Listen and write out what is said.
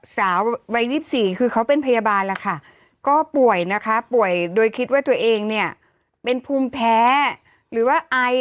ไปแอบดูคุณลุ้นคุณนี่เข้าหรือลิ